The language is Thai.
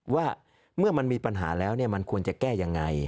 ว่าเมื่อมันมีปัญหาแล้วมันควรจะแก้ยังไง